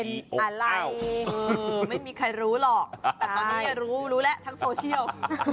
เป็นอะไรไม่มีใครรู้หรอกแต่ตอนนี้รู้รู้แล้วทั้งโซเชียล